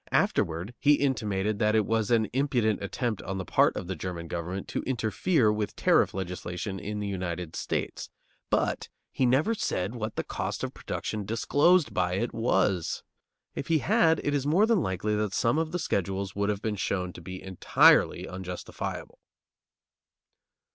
Afterward he intimated that it was an impudent attempt on the part of the German government to interfere with tariff legislation in the United States. But he never said what the cost of production disclosed by it was. If he had, it is more than likely that some of the schedules would have been shown to be entirely unjustifiable.